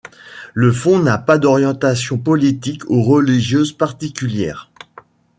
Le fonds n'a pas d'orientation politique ou religieuse particulière.